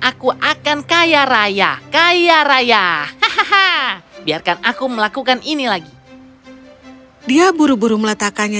aku akan kaya raya kaya raya hahaha biarkan aku melakukan ini lagi dia buru buru meletakkannya